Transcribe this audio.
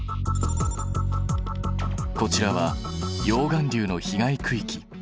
こちらは溶岩流の被害区域。